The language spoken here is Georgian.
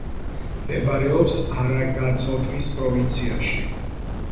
მდებარეობს არაგაწოტნის პროვინციაში.